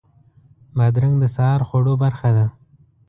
بادرنګ د سهار خوړو برخه ده.